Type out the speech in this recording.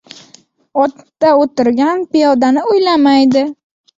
• Otda o‘tirgan piyodani o‘ylamaydi.